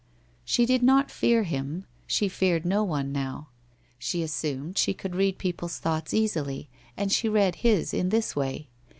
She did not fear him : she feared no one now. She assumed she could read people's thoughts easily, and she road his in this way.